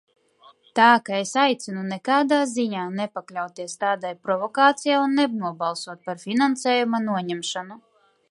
Tā ka es aicinu nekādā ziņā nepakļauties tādai provokācijai un nenobalsot par finansējuma noņemšanu.